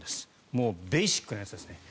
もうベーシックなやつですね